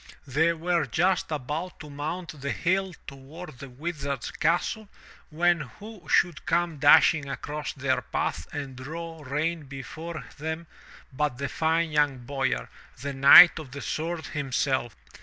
They were just about to mount the hill toward the Wizard's castle, when who should come dashing across their path and draw rein before them but that fine young boyar, the Knight of the Sword himself.